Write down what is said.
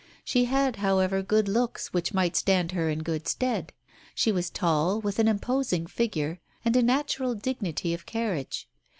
She had however good looks which might stand her in good stead. She was tall, with an imposing figure and a natural dignity of carriage.